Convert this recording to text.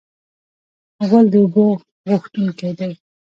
غول د اوبو غوښتونکی دی.